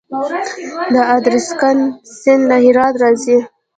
د ادرسکن سیند له هرات راځي